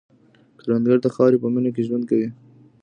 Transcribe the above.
کروندګر د خاورې په مینه کې ژوند کوي